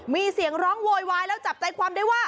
มีเสียงร้องโวยวายแล้วจับใจความได้ว่า